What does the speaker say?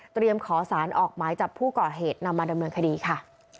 ขอสารออกหมายจับผู้ก่อเหตุนำมาดำเนินคดีค่ะ